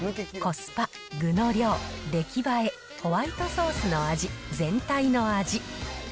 コスパ、具の量、出来栄え、ホワイトソースの味、全体の味。